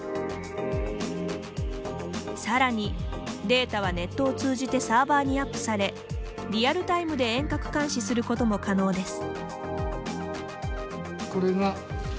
更にデータはネットを通じてサーバーにアップされリアルタイムで遠隔監視することも可能です。